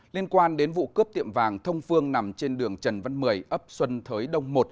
liên quan đến vụ cướp tiệm vàng thông phương nằm trên đường trần văn mười ấp xuân thới đông một